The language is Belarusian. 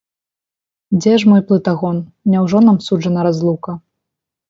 Дзе ж мой плытагон, няўжо нам суджана разлука?